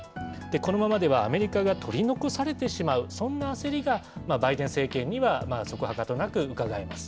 このままでは、アメリカが取り残されてしまう、そんな焦りが、バイデン政権にはそこはかとなくうかがえます。